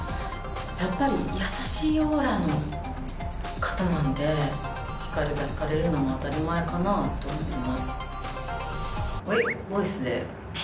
やっぱり優しいオーラの方なんでひかりが惹かれるのも当たり前かなと思います。